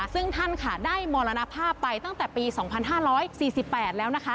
ซึ่งท่านค่ะได้มรณภาพไปตั้งแต่ปี๒๕๔๘แล้วนะคะ